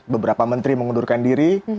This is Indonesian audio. beberapa menteri mengundurkan diri